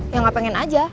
ya gak pengen aja